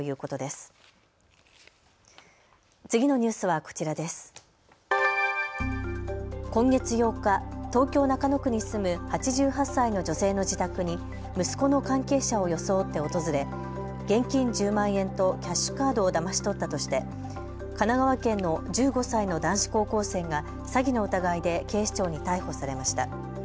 今月８日、東京中野区に住む８８歳の女性の自宅に息子の関係者を装って訪れ現金１０万円とキャッシュカードをだまし取ったとして神奈川県の１５歳の男子高校生が詐欺の疑いで警視庁に逮捕されました。